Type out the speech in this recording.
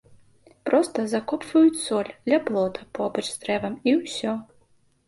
Проста закопваюць соль ля плота побач з дрэвам і ўсё.